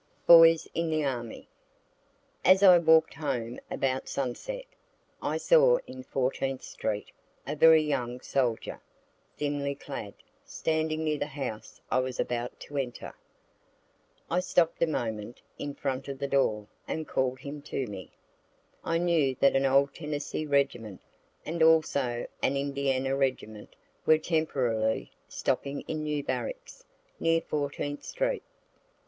BOYS IN THE ARMY As I walk'd home about sunset, I saw in Fourteenth street a very young soldier, thinly clad, standing near the house I was about to enter. I stopt a moment in front of the door and call'd him to me. I knew that an old Tennessee regiment, and also an Indiana regiment, were temporarily stopping in new barracks, near Fourteenth street.